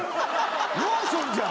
ローションじゃん！